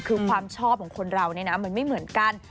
คือความชอบของคนเราเนี่ยนะมันไม่เหมือนกัน